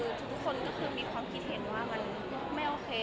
คือทุกคนก็คือมีความคิดเห็นว่ามันไม่โอเค